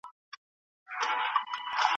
کله اوري له اسمان څخه سکروټي